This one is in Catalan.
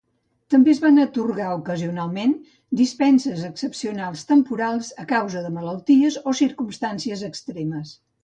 També es van atorgar ocasionalment dispenses excepcionals temporals a causa de malalties o circumstàncies extremes.